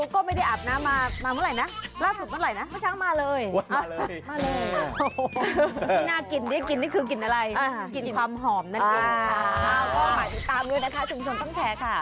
ก็ติดตามด้วยนะคะชุมชนต้องแชร์ค่ะ